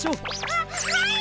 あっはい！